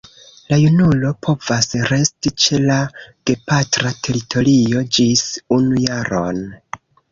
La junulo povas resti ĉe la gepatra teritorio ĝis unu jaron.